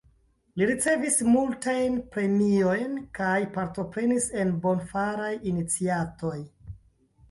Li ricevis multajn premiojn kaj partoprenis en bonfaraj iniciatoj.